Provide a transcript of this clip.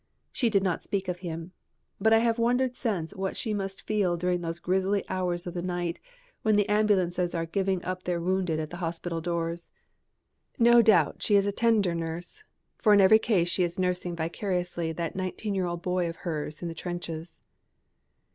She did not speak of him. But I have wondered since what she must feel during those grisly hours of the night when the ambulances are giving up their wounded at the hospital doors. No doubt she is a tender nurse, for in every case she is nursing vicariously that nineteen year old boy of hers in the trenches.